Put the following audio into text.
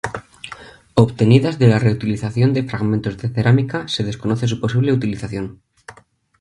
Obtenidas de la reutilización de fragmentos de cerámica se desconoce su posible utilización.